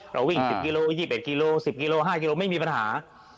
เราวิ่ง๑๐กิโล๒๑กิโล๑๐กิโล๕กิโลไม่มีปัญหา